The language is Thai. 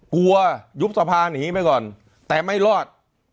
ยุบสะพานหนีไปก่อนแต่ไม่รอด